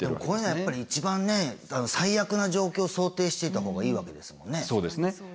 こういうのはやっぱり一番ね最悪な状況を想定していた方がいいわけですもんね。